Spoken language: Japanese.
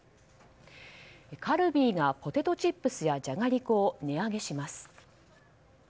カルビーがポテトチップスやじゃがりこを値上げします。